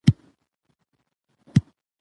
د شین دسمال نثري ژبه ډېره خوږه ،عام فهمه.